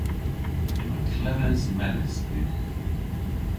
Yma kleves melys dhywgh.